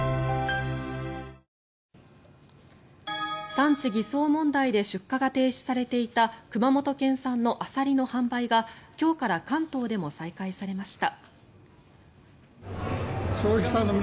産地偽装問題で出荷が停止されていた熊本県産のアサリの販売が今日から関東でも再開されました。